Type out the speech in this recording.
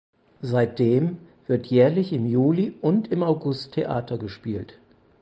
Seit dem wird jährlich im Juli und im August Theater gespielt.